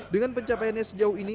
dengan pencapaiannya sejauh ini